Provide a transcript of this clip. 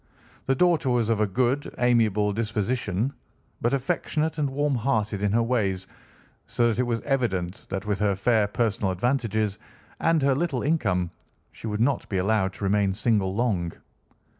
The daughter was of a good, amiable disposition, but affectionate and warm hearted in her ways, so that it was evident that with her fair personal advantages, and her little income, she would not be allowed to remain single long.